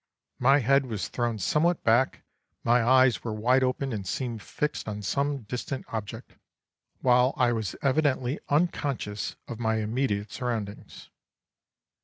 My head was thrown somewhat back, my eyes were wide open and seemed fixed on some distant object, while I was evidently unconscious of my immediate surroundings.